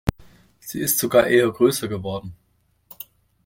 Sie ist sogar eher größer geworden.